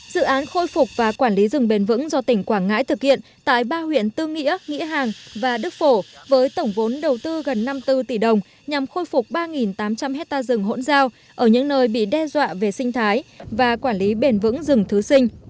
dự án khôi phục và quản lý rừng bền vững do tỉnh quảng ngãi thực hiện tại ba huyện tư nghĩa nghĩa hàng và đức phổ với tổng vốn đầu tư gần năm mươi bốn tỷ đồng nhằm khôi phục ba tám trăm linh hectare rừng hỗn giao ở những nơi bị đe dọa về sinh thái và quản lý bền vững rừng thứ sinh